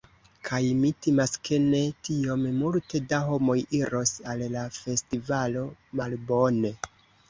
Kaj mi timas ke ne tiom multe da homoj iros al la festivalo. Malbone!